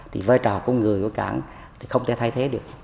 thì vai trò của người của cảng thì không thể thay thế được